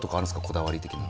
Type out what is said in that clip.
こだわり的な。